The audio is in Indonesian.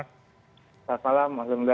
selamat malam mas muda